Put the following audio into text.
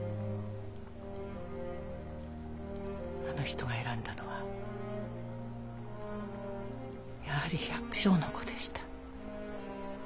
あの人が選んだのはやはり百姓の子でした。